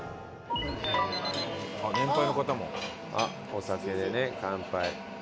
お酒でね乾杯。